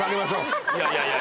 いやいや。